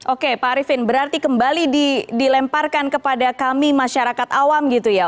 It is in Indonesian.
oke pak arifin berarti kembali dilemparkan kepada kami masyarakat awam gitu ya